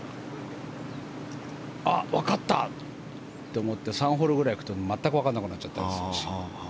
あっ、わかった！って思って３ホールぐらい行くと全くわからなくなっちゃったりするし。